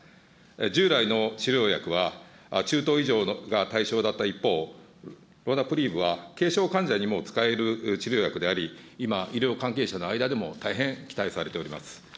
従来の治療薬は中等以上が対象だった一方、ロナプリーブは軽症患者にも使える治療薬であり、今、医療関係者の間でも大変期待されております。